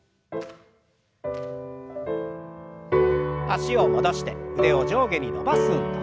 脚を戻して腕を上下に伸ばす運動。